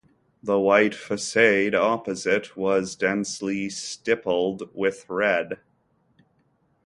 The white facade opposite was densely stippled with red.